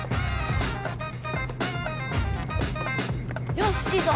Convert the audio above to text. よしいいぞ！